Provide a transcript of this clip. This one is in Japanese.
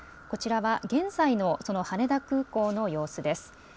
こちらは現在のその羽田空港の様子です。